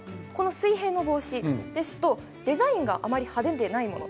水平の帽子ですとデザインがあまり派手でないもの